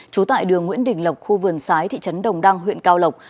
trú tại đường nguyễn đình lộc khu vườn sái thị trấn đồng đăng huyện cao lộc